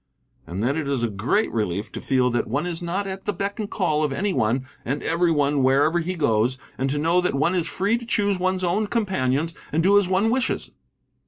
And then it is a great relief to feel that one is not at the beck and call of any one and every one wherever one goes, and to know that one is free to choose one's own companions and do as one wishes."